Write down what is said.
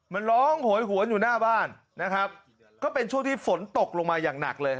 มันร้องโหยหวนอยู่หน้าบ้านนะครับก็เป็นช่วงที่ฝนตกลงมาอย่างหนักเลย